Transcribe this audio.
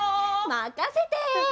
まかせて！